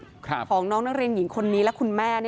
สุขภาพจิตของน้องน้องเรียนหญิงคนนี้และคุณแม่